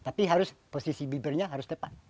tapi harus posisi bibirnya harus tepat